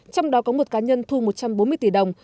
trong đó có một cá nhân thu một trăm bốn mươi tỷ đồng